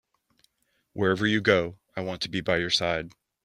Wherever you go, I want to be by your side.